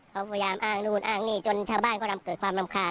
เขาพยายามอ้างนู่นอ้างนี่จนชาวบ้านเขาเกิดความรำคาญ